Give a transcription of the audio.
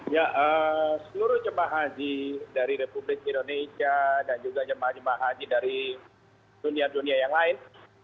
ya seluruh jemaah haji dari republik indonesia dan juga jemaah jemaah haji dari dunia dunia yang lain